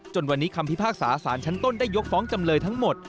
วันนี้คำพิพากษาสารชั้นต้นได้ยกฟ้องจำเลยทั้งหมด